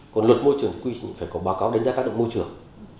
còn luật môi trường quy định phải có báo cáo đánh giá tác động môi trường